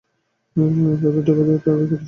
তার 'ডোডো-তাতাই' বিখ্যাত শিশু চরিত্র।